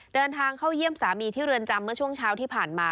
เดินทางเข้าเยี่ยมสามีที่เรือนจำเมื่อช่วงเช้าที่ผ่านมา